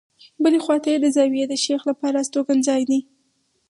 بلې خواته یې د زاویې د شیخ لپاره استوګنځای دی.